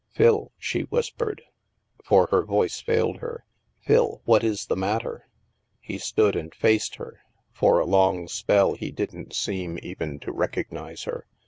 " Phil !" she whispered, for her voice failed her, " Phil, what is the matter ?" He stood and faced her. For a long spell, he didn't seem even to recognize her.